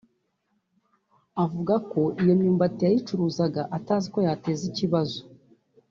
avuga ko iyo myumati yayicuruzaga atazi ko yateza ikibazo